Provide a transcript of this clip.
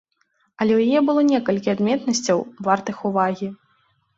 Але ў яе было некалькі адметнасцяў, вартых увагі.